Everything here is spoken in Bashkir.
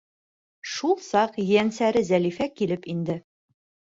Шул саҡ ейәнсәре Зәлифә килеп инде.